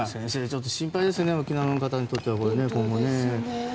心配ですね沖縄の方にとっては今後ね。